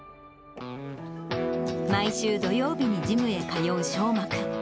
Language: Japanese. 毎週土曜日にジムへ通う聖真君。